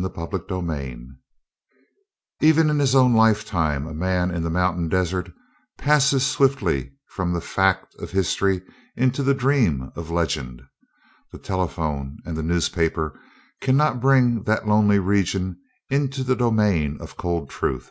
CHAPTER 29 Even in his own lifetime a man in the mountain desert passes swiftly from the fact of history into the dream of legend. The telephone and the newspaper cannot bring that lonely region into the domain of cold truth.